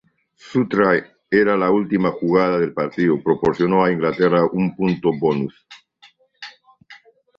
Su try, en la última jugada del partido, proporcionó a Inglaterra un punto bonus.